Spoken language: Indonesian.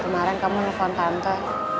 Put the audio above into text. kemaren kamu nelfon tante